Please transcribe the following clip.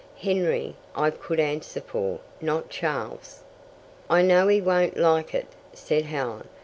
Henry I could answer for not Charles." "I know he won't like it," said Helen.